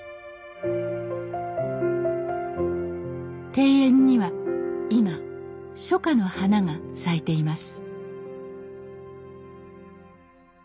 庭園には今初夏の花が咲いています